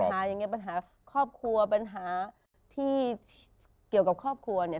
ปัญหาอย่างนี้ปัญหาครอบครัวปัญหาที่เกี่ยวกับครอบครัวเนี่ย